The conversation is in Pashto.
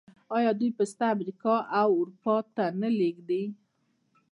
آیا دوی پسته امریکا او اروپا ته نه لیږي؟